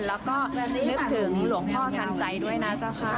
แล้วก็นึกถึงหลวงพ่อทันใจด้วยนะเจ้าค่ะ